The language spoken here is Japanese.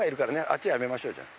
あっちやめましょうじゃあ。